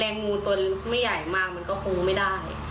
งูตัวไม่ใหญ่มากมันก็ปูไม่ได้